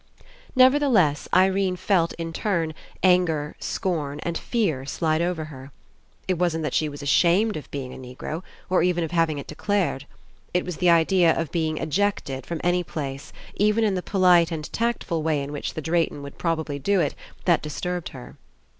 Nevertheless, Irene felt, in turn, anger, scorn, and fear slide over her. It wasn't that she was ashamed of being a Negro, or even of having it declared. It was the idea of being ejected from any place, even in the polite and tactful way in which the Drayton would prob ably do it, that disturbed her.